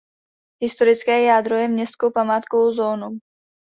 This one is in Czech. Historické jádro je městskou památkovou zónou.